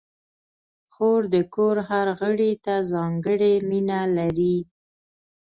خور د کور هر غړي ته ځانګړې مینه لري.